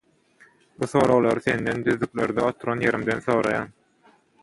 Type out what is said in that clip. Bu soraglary senden düzlüklerde oturan ýerimden soraýan.